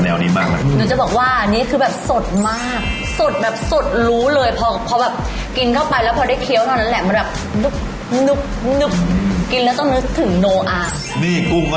เหนือกกรอบเต็งเลย